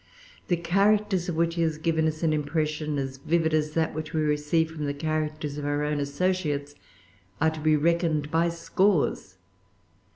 The characters of which he has given us an impression, as vivid as that which we receive from the characters of our own associates, are to be reckoned by scores.